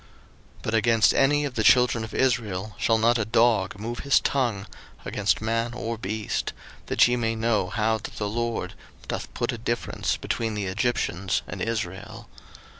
02:011:007 But against any of the children of Israel shall not a dog move his tongue, against man or beast: that ye may know how that the LORD doth put a difference between the Egyptians and Israel.